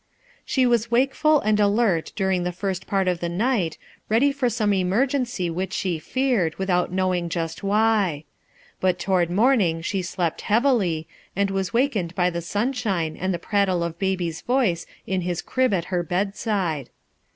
She was wakeful and alert during the first part of the night, ready for some emergency which the feared, without knowing just why. But toward morning she slept heavily, and was wakened by the sunshine and the prattle of Baby's voice in his crib at her bedside.